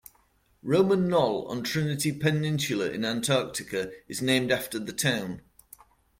Roman Knoll on Trinity Peninsula in Antarctica is named after the town.